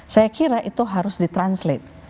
saya kira itu harus di translate